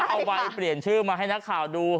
เอาใบเปลี่ยนชื่อมาให้นักข่าวดู